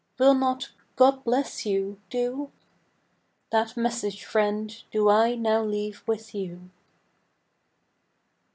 Will not "God bless you," do? That message, friend, do I now leave with you.